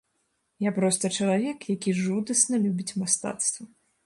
Я проста чалавек, які жудасна любіць мастацтва.